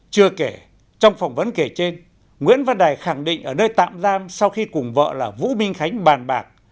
chưa kể trong phỏng vấn kể trên nguyễn văn đài khẳng định ở nơi tạm giam sau khi cùng vợ là vũ minh khánh bàn bạc